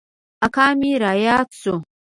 اکا مې راياد سو.